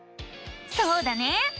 そうだね！